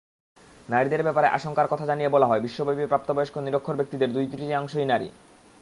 নারীদের ব্যাপারে আশঙ্কার কথা জানিয়ে বলা হয়, বিশ্বব্যাপী প্রাপ্তবয়স্ক নিরক্ষর ব্যক্তিদের দুই-তৃতীয়াংশই নারী।